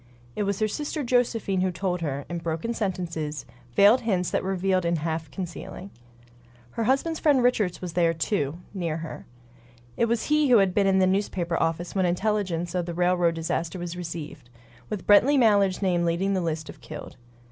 It was her sister Josephine who told her, in broken sentences; veiled hints that revealed in half concealing. Her husband's friend Richards was there, too, near her. It was he who had been in the newspaper office when intelligence of the railroad disaster was received, with Brently Mallard's name leading the list of "killed."